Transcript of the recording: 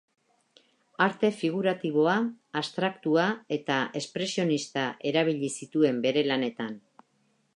Arte figuratiboa, abstraktua eta espresionista erabili zituen bere lanetan.